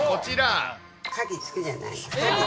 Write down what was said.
カキ好きじゃない。